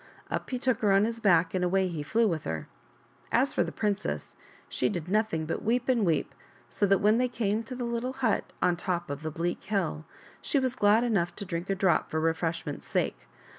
Up he took her on his back and away he flew with her. As for the princess, she did nothing but weep and weep, so that when they came to the little hut on top of the bleak hill, she was glad enough to drink a drop for refreshment's sake.